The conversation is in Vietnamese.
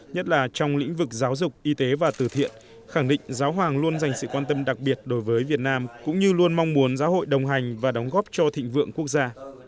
nhất là trong lĩnh vực giáo dục y tế và tử thiện khẳng định giáo hoàng luôn dành sự quan tâm đặc biệt đối với việt nam cũng như luôn mong muốn giáo hội đồng hành và đóng góp cho thịnh vượng quốc gia